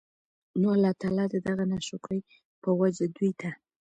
نو الله تعالی د دغه ناشکرۍ په وجه دوی ته